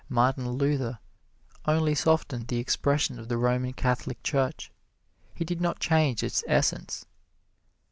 Martin Luther only softened the expression of the Roman Catholic Church he did not change its essence.